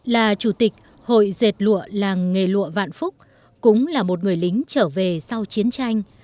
là chủ tịch hội dệt lụa làng nghề lụa vạn phúc cũng là một người lính trở về sau chiến tranh